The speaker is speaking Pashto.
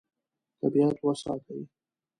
طبیعت وساتئ.